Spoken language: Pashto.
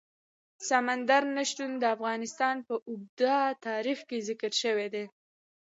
سمندر نه شتون د افغانستان په اوږده تاریخ کې ذکر شوی دی.